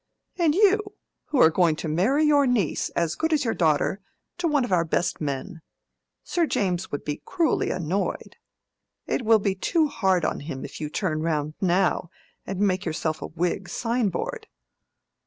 And you! who are going to marry your niece, as good as your daughter, to one of our best men. Sir James would be cruelly annoyed: it will be too hard on him if you turn round now and make yourself a Whig sign board."